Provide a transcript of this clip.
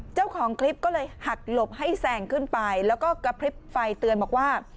เจ้าของคลิปก็เลยหักหลบให้แสงขึ้นไปแล้วก็กระพริบไฟเตือนบอกว่า